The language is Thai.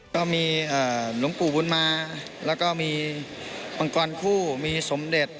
ก็มีลงกู่บุญมาและก็มีวังกวนคู่มีสมเด็จ